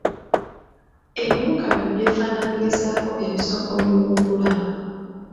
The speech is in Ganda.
Ebiwuka bino byefaananyirizaako ebisokomi mu nkula.